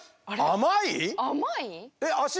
甘い？